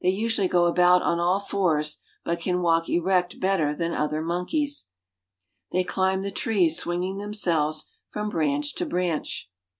A B^sually go about on all Wours, but can walk erect rbetter than other mon Ikeys. They climb the fctrees, swinging them l Belves from branch to I branch.